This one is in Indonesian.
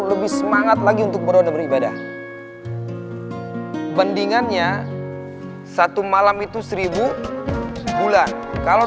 lebih semangat lagi untuk berdoa dan beribadah pendingannya satu malam itu seribu bulan kalau